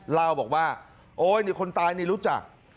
เล่าบอกว่าโอ๊ยนี่คนตายนี่รู้จัก